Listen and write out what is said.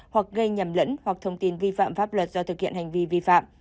hoặc gây nhầm lẫn hoặc thông tin vi phạm pháp luật do thực hiện hành vi vi phạm